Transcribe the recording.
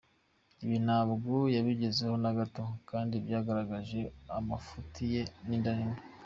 Ibi ntabwo yabigezeho na gato kandi byagaragaje amafuti ye n’inda nini.